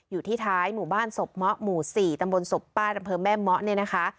อยู่ที่ท้ายหมู่บ้านศพเมาะหมู่๔ตำบลศพป้ารำเภอแม่เมาะเนี่ยนะคะ